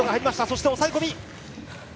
そして抑え込み。